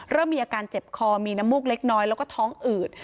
เริ่มมีอาการเจ็บคอมีน้ำมูกเล็กน้อยแล้วก็ท้องอืด